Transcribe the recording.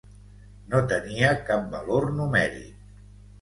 No tenia cap valor numèric.